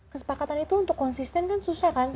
kesepakatan itu untuk konsisten kan susah kan